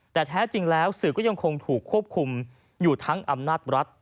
แต่แท้จริงแล้วสื่อก็ยังคงถูกควบคุมอยู่ทั้งอำนาจรัฐ